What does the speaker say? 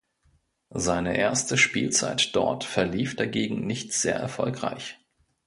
Seine erste Spielzeit dort verlief dagegen nicht sehr erfolgreich.